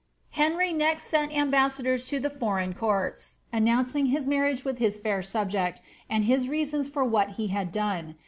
Henry next sent ambassadors to the foreign courts, announcing his marriage with his fair subject, and his reasons for what he had done.